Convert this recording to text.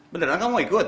beneran kamu mau ikut